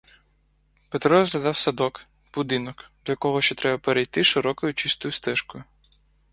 Петро розглядав садок, будинок, до якого ще треба перейти широкою чистою стежкою.